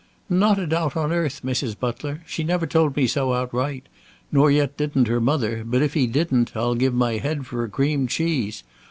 "Not a doubt on earth, Mrs. Butler. She never told me so outright, nor yet didn't her mother; but if he didn't, I'll give my head for a cream cheese.